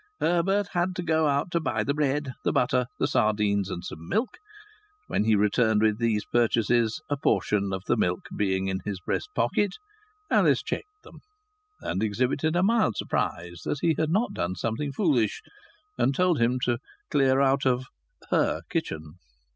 Herbert had to go out to buy the bread, the butter, the sardines and some milk; when he returned with these purchases, a portion of the milk being in his breast pocket, Alice checked them, and exhibited a mild surprise that he had not done something foolish, and told him to clear out of "her kitchen."